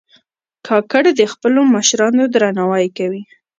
کاکړ د خپلو مشرانو درناوی کوي.